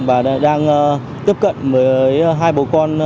với hai bộ con